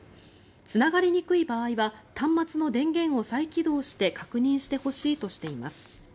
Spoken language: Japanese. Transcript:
つながりにくい場合は端末の電源を再起動して確認してほしいとしています。